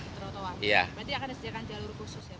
berarti akan disediakan jalur